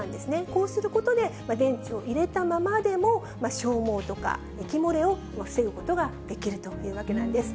こうすることで、電池を入れたままでも、消耗とか、液漏れを防ぐことができるというわけなんです。